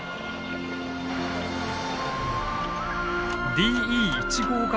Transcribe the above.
ＤＥ１５形